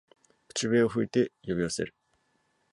口笛を吹いて呼び寄せる